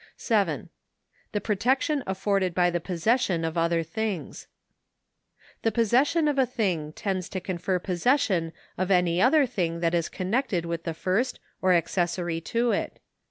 ^ 7. The protection afforded by the possession of other things. The possession of a thing tends to confer possession of any other thing that is connected with the first or accessory to it.